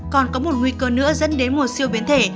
còn có một nguy cơ nữa dẫn đến mùa siêu biến thể